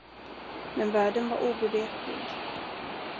Men värden var obeveklig.